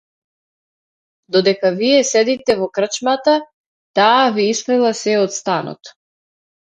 Додека вие седите во крчмата, таа да ви исфрла сѐ од станот!